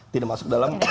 tidak masuk dalam